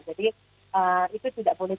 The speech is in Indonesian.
jadi itu tidak boleh